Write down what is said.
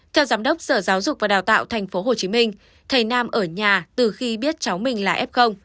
theo giám đốc sở giáo dục và đào tạo tp hcm thầy nam ở nhà từ khi biết cháu mình là f